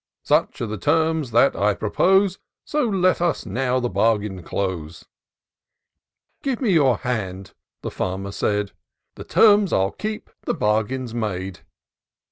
Such are the terms that I propose. So let us now the bargain close." 182 TOUR OF DOCTOR SYNTAX " Give me your hand," the Fanner said, *^ The terms I'll keep, the bargain's made."